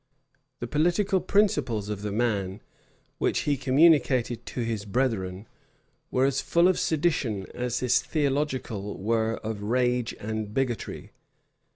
[] The political principles of the man, which he communicated to his brethren, were as full of sedition, as his theological were of rage and bigotry.